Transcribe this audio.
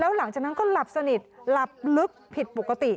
หลังจากนั้นก็หลับสนิทหลับลึกผิดปกติ